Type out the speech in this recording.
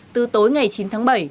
từ tối ngày chín tháng bảy